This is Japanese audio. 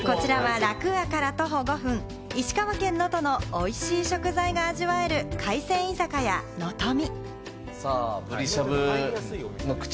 こちらはラクーアから徒歩５分、石川県のおいしい食材が味わえる海鮮居酒屋・能登美。